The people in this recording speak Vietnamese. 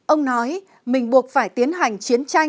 ông nói mình buộc phải tiến hành chiến tranh